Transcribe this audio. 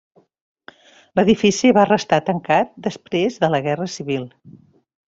L'edifici va restar tancat després de la Guerra Civil.